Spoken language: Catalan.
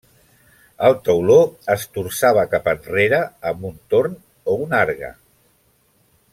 El tauló es torçava cap enrere amb un torn o un argue.